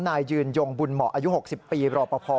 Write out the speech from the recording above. นายยืนยงบุญเหมาะอายุ๖๐ปีรอปภ